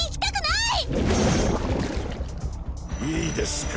いいですか？